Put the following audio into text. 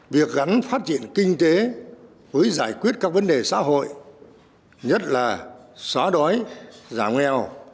việc gắn phát triển kinh tế với giải quyết các vấn đề xã hội nhất là xóa đói giảm nghèo